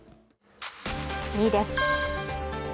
２位です。